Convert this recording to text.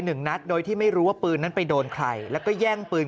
หนึ่งนัดโดยที่ไม่รู้ว่าปืนนั้นไปโดนใครแล้วก็แย่งปืน